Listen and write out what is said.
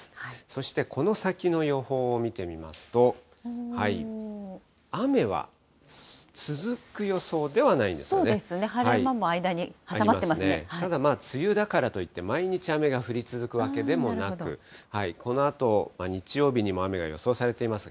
そしてこの先の予報を見てみますと、そうですね、ただまあ、梅雨だからといって、毎日雨が降り続くわけでもなく、このあと日曜日にも雨が予想されています。